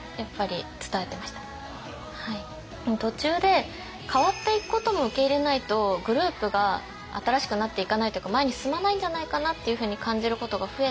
でも途中で変わっていくことも受け入れないとグループが新しくなっていかないというか前に進まないんじゃないかなっていうふうに感じることが増えて。